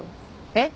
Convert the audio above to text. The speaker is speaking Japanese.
えっ？